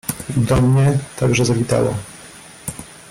"I do mnie także zawitało."